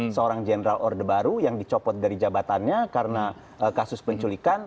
seorang general orde baru yang dicopot dari jabatannya karena kasus penculikan